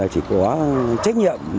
chỉ có trách nhiệm